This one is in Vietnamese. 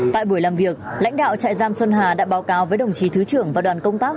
tại buổi làm việc lãnh đạo trại giam xuân hà đã báo cáo với đồng chí thứ trưởng và đoàn công tác